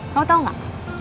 kamu tau gak